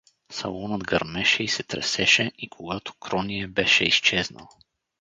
Салонът гърмеше и се тресеше и когато Кроние беше изчезнал.